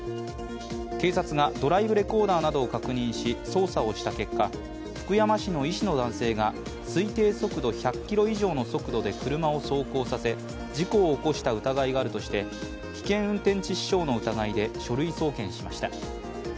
警察がドライブレコーダーなどを確認し、捜査をした結果、福山市の医師の男性が推定速度１００キロ以上の速度で車を走行させ、事故を起こした疑いがあるとして、危険運転致死傷の疑いで書類送検しました。